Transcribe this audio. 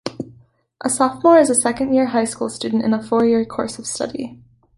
A sophomore is a second-year high school student in a four-year course of study.